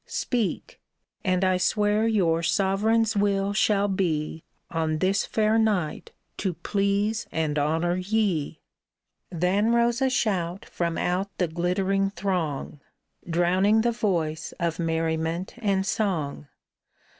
Speak ! and I swear your sovereign's will shall be On this fair night to please and honor ye !" Then rose a shout from out the glittering throng Drowning the voice of merriment and song.